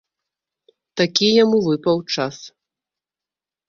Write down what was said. Такі яму выпаў час.